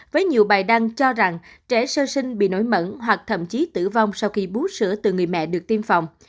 với nhiều bài đăng cho rằng trẻ sơ sinh bị nổi mẩn hoặc thậm chí tử vong sau khi bút sữa từ người mẹ được tiêm phòng